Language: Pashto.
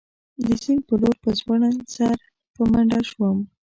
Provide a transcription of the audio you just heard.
د سیند په لور په ځوړند سر په منډه شوم.